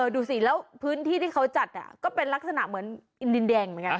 ดูสิแล้วพื้นที่ที่เขาจัดก็เป็นลักษณะเหมือนอินดินแดงเหมือนกัน